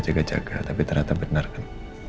jaga jaga tapi ternyata benar kan